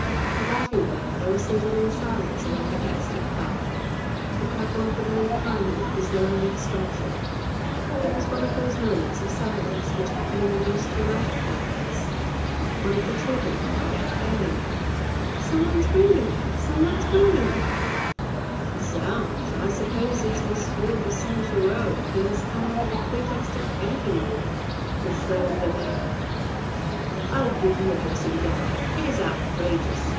That evening they were seated in silence around the domestic hearth. The crackle of the burnt pinewood was their only distraction. It was one of those moments of silence which happen in the most united families. One of the children cried out gaily, " Somebody's ringing, somebody's ringing !"" Zounds ! supposing it's Monsieur de Saint Giraud who has come under the pretext of thanking me," exclaimed the mayor. " I will give him a dressing down. It is outrageous.